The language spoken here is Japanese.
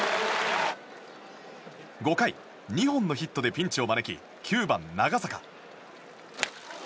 ５回、２本のヒットでピンチを招き９番、長坂。